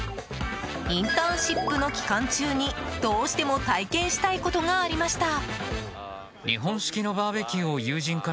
インターンシップの期間中にどうしても体験したいことがありました。